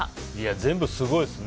全部、すごいですね。